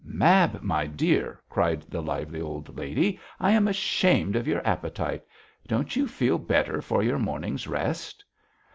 'Mab, my dear,' cried the lively old lady, 'I am ashamed of your appetite. Don't you feel better for your morning's rest?'